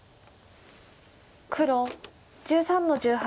黒１３の十八。